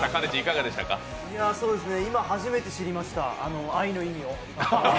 今初めて知りました、愛の意味を。